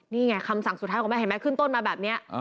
นี่ไงคำสั่งสุดท้ายของแม่เห็นไหมขึ้นต้นมาแบบนี้